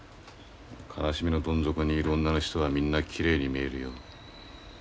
悲しみのどん底にいる女の人はみんなきれいに見えるよ。